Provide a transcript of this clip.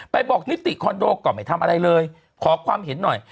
บอกนิติคอนโดก็ไม่ทำอะไรเลยขอความเห็นหน่อย